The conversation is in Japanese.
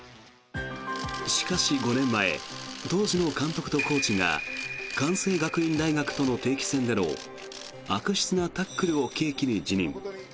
しかし５年前当時の監督とコーチが関西学院大学との定期戦での悪質なタックルを契機に辞任。